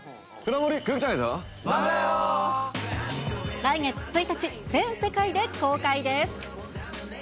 来月１日、全世界で公開です。